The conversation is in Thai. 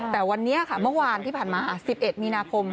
แต่วันนี้ค่ะเมื่อวานที่ผ่านมา๑๑มีนาคม